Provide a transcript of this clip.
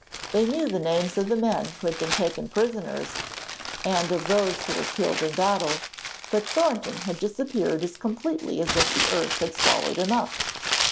They knew the names of the men who had been taken prisoners and of those who were killed in battle, but Thornton had disappeared as completely as if the earth had swallowed him up.